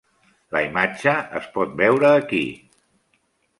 La imatge es pot veure aquí.